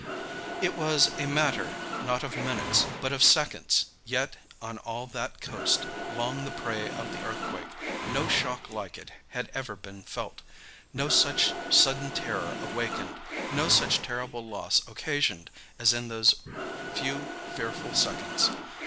It was a matter not of minutes, but of seconds, yet on all that coast, long the prey of the earthquake, no shock like it had ever been felt, no such sudden terror awakened, no such terrible loss occasioned as in those few fearful seconds.